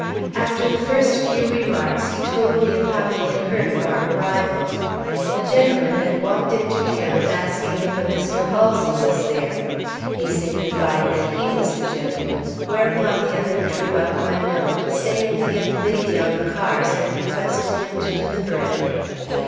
After the first few remarks, he told me of how he had heard of our arrival. A gentleman had walked into camp, asking if a Mr. Halsey was there. He signified that he was the gentleman, whereupon the other drew out my note, saying a young lady on the cars had requested him to deliver it.